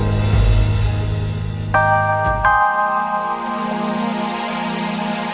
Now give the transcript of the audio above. terima kasih randall